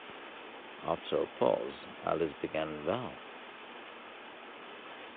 After a pause, Alice began, ‘Well!’